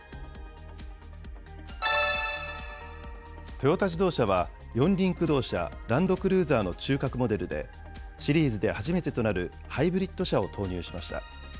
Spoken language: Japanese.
トヨタ自動車は４輪駆動車、ランドクルーザーの中核モデルで、シリーズで初めてとなるハイブリッド車を投入しました。